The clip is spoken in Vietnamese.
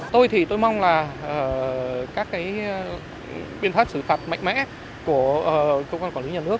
tôi thì tôi mong là các cái biên pháp xử phạt mạnh mẽ của công an quản lý nhà nước